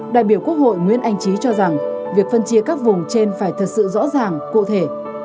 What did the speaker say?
đại biểu quốc hội nguyễn anh trí cho rằng việc phân chia các vùng trên phải thật sự rõ ràng cụ thể